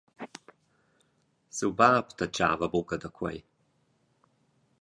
Siu bab datgava buca da quei.